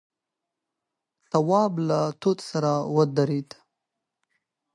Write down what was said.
تواب له توت سره ودرېد.